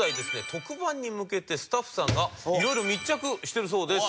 特番に向けてスタッフさんがいろいろ密着してるそうです。